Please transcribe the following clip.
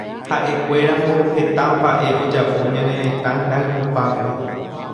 Ha'ekuérango heta mba'e ojapo ñane retã rayhupápe.